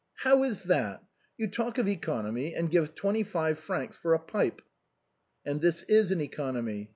" How is that ! You talk of economy, and give twenty five francs for a pipe !"" And this is an economy.